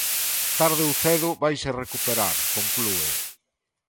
"Tarde ou cedo vaise recuperar", conclúe.